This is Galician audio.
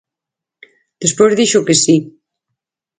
Despois dixo que si.